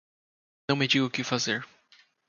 Não me diga o que fazer!